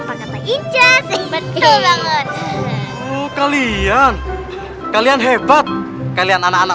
telah keren kalau enggak gitu pak apakah pincir betul agung kalian kalian hebat kalian anak anak